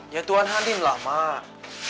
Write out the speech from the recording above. ya tuan hanim lah mak